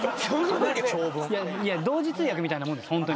同時通訳みたいなもんです。